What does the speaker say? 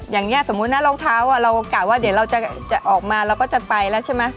อย่างนี้สมมติน้ำลงเท้าความออกมาก็จะไปแล้วใช่ไหม